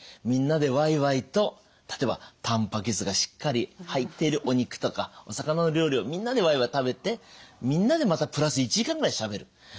みんなでわいわいと例えばたんぱく質がしっかり入っているお肉とかお魚の料理をみんなでわいわい食べてみんなでまたプラス１時間ぐらいしゃべる。